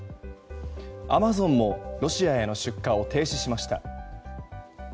アマゾンもロシアへの出荷を停止しました。